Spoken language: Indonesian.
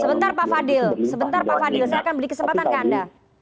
sebentar pak fadil sebentar pak fadil saya akan beri kesempatan ke anda